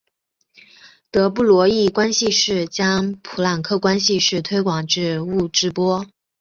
德布罗意关系式将普朗克关系式推广至物质波。